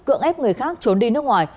cưỡng ép người khác trốn đi nước ngoài